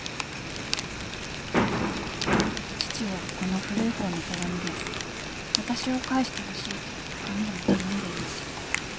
父はこの古い方の手紙で私を返してほしいと何度も頼んでいます。